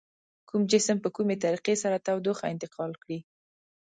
کوم جسم په کومې طریقې سره تودوخه انتقال کړي؟